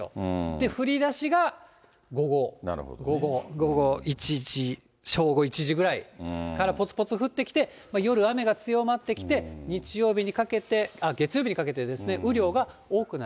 で、降りだしが午後、午後、午後１時、正午１時ぐらいから、ぽつぽつ降ってきて、夜、雨が強まってきて、日曜日にかけて、月曜日にかけてですね、雨量が多くなる。